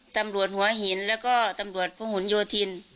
ตำรวจหัวหินแล้วก็ตำรวจพระหุนโยธิน